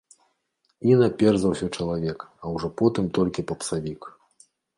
Іна перш за ўсё чалавек, а ўжо потым толькі папсавік.